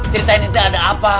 ceritain itu ada apa